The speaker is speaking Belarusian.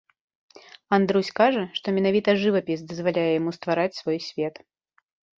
Андрусь кажа, што менавіта жывапіс дазваляе яму ствараць свой свет.